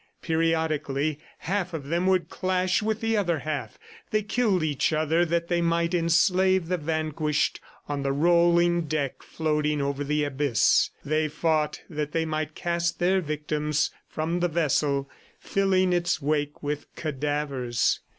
Periodically half of them would clash with the other half. They killed each other that they might enslave the vanquished on the rolling deck floating over the abyss; they fought that they might cast their victims from the vessel, filling its wake with cadavers.